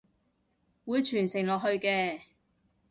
會傳承落去嘅！